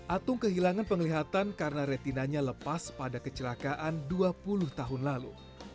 atung kehilangan penglihatan karena retinanya lepas pada kecelakaan dua puluh tahun lalu